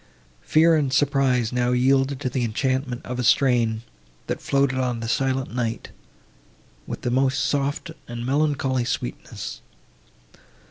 Fear and surprise now yielded to the enchantment of a strain, that floated on the silent night, with the most soft and melancholy sweetness.